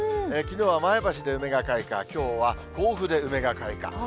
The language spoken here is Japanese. きのうは前橋で梅が開花、きょうは甲府で梅が開花。